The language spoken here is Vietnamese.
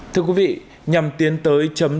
thưa quý vị nhằm tiến tới chấm dứt